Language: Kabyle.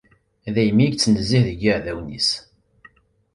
Daymi i yettnezzih deg yiεdawen-is.